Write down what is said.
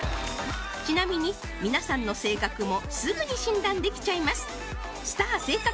ちなみに皆さんの性格もすぐに診断できちゃいます